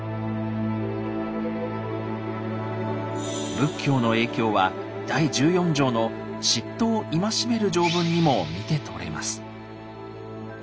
仏教の影響は第１４条の嫉妬を戒める条文にも見て取れます。